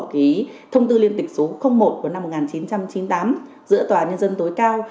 cái thông tư liên tịch số một của năm một nghìn chín trăm chín mươi tám giữa tòa nhân dân tối cao